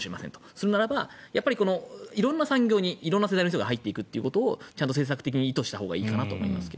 それならば色んな産業に色んな世代の人が入っていくことを政策的に意図したほうがいいと思います。